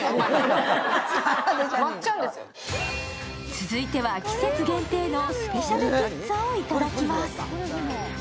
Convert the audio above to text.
続いては季節限定のスペシャルピッツァをいただきます。